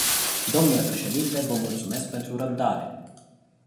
Dle președinte, vă mulțumesc pentru răbdare.